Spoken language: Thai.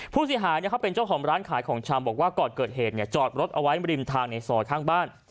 ผู้เสียหายเขาเป็นเจ้าของร้านขายของชำบอกว่าก่อนเกิดเหตุจอดรถเอาไว้ริมทางในซอยข้างบ้าน